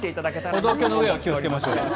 歩道橋の上は気をつけましょう。